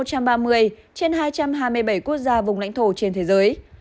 trên hai trăm hai mươi bảy quốc gia vùng lãnh thổ trên thế giới